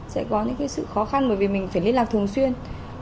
sẽ có những sự khó khăn bởi vì mình phải liên lạc thường xuyên